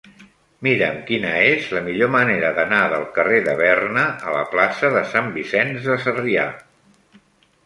Mira'm quina és la millor manera d'anar del carrer de Berna a la plaça de Sant Vicenç de Sarrià.